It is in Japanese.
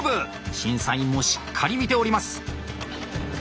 審査委員もしっかり見ております。